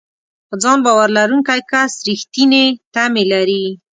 په ځان باور لرونکی کس رېښتینې تمې لري.